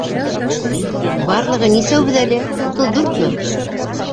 Барлығы нисәүбеҙ әле, утыҙ дүртме?